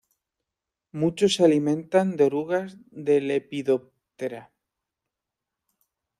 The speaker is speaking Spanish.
Muchos se alimentan de orugas de Lepidoptera.